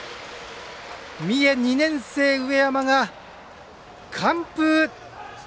三重、２年生の上山が完封。